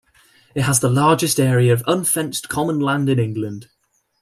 It has the largest area of unfenced common land in England.